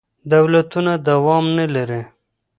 دولتونه دوام نه لري.